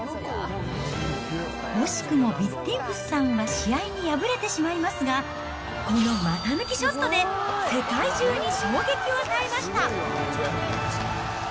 惜しくもヴィッティンフスさんは試合に敗れてしまいますが、この股抜きショットで世界中に衝撃を与えました。